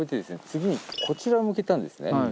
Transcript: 次にこちらを向けたんですね。